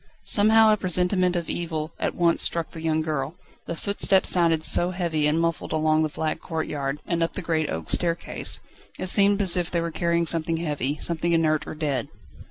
Somehow a presentiment of evil at once struck the young girl: the footsteps sounded so heavy and muffled along the flagged courtyard, and up the great oak staircase. It seemed as if they were carrying something heavy, something inert or dead.